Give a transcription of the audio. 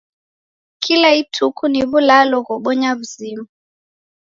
Kila ituku ni w'ulalo ghobonya w'uzima